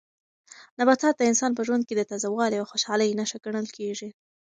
نباتات د انسان په ژوند کې د تازه والي او خوشالۍ نښه ګڼل کیږي.